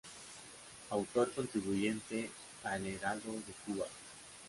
Autor contribuyente a "El Heraldo de Cuba".